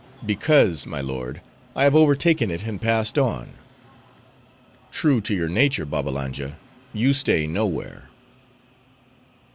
"Because, my lord, I have overtaken it, and passed on." "True to your nature, Babbalanja; you stay nowhere."